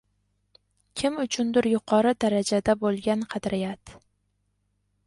Kim uchundir yuqori darajada bo’lgan qadriyat